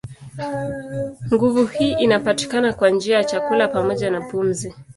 Nguvu hii inapatikana kwa njia ya chakula pamoja na pumzi.